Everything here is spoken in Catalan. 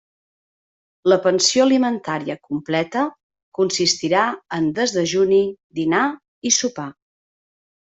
La pensió alimentària completa consistirà en desdejuni, dinar i sopar.